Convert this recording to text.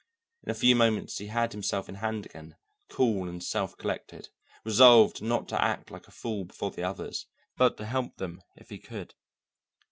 In a few moments he had himself in hand again, cool and self collected, resolved not to act like a fool before the others, but to help them if he could.